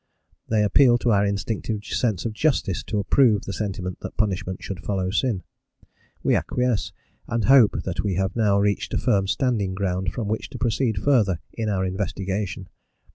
They appeal to our instinctive sense of justice to approve the sentiment that punishment should follow sin: we acquiesce, and hope that we have now reached a firm standing ground from which to proceed further in our investigation.